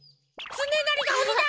つねなりがおにだ！